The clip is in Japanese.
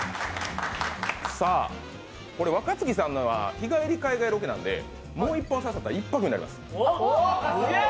さあ、若槻さんのは日帰り海外ロケなので、もう１本刺さったら１泊になります。